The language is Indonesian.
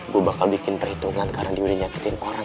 gue bakal bikin perhitungan karena dia udah nyakitin orang